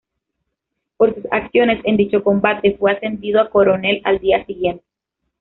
Por sus acciones en dicho combate, fue ascendido a coronel al día siguiente.